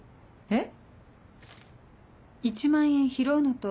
えっ。